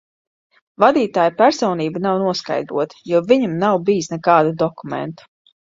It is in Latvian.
Vadītāja personība nav noskaidrota, jo viņam nav bijis nekādu dokumentu.